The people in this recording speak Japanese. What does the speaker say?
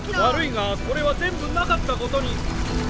悪いがこれは全部なかったことに。